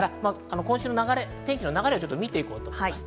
今週の天気の流れを見て行こうと思います。